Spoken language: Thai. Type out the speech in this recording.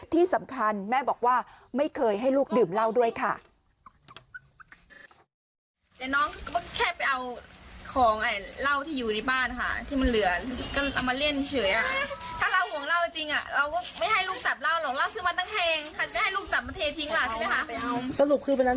ที่สำคัญแม่บอกว่าไม่เคยให้ลูกดื่มเหล้าด้วยค่ะ